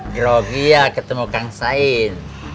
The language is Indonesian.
grogia ketemu kang sain